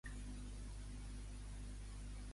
Que reproduiries de nou la sèrie "Merlí"?